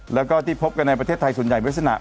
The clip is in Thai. แล้วก็ที่พบกันในประเทศไทยส่วนใหญ่เป็นลักษณะ